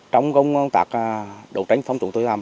trong công tác đấu tranh phòng chủ nghĩa việt nam